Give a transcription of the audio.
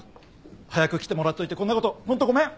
早く来てもらっといてこんなことホントごめん！